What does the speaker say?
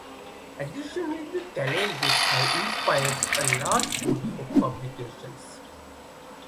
Additionally, the challenges have inspired a large body of publications.